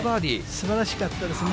すばらしかったですね。